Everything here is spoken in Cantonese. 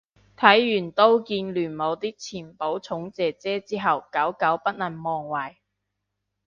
睇完刀劍亂舞啲前寶塚姐姐之後久久不能忘懷